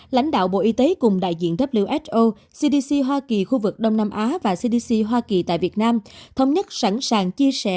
lãnh đạo bộ y tế cùng đại diện who cdc hoa kỳ khu vực đông nam á và cdc hoa kỳ tại việt nam thống nhất sẵn sàng chia sẻ